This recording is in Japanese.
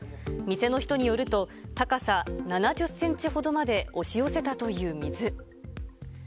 店の人によると、高さ７０センチほどまで押し寄せたという水。